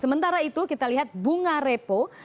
sementara itu kita lihat bunga repo